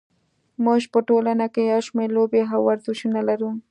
موږ په ټولنه کې یو شمېر لوبې او ورزشونه لرو.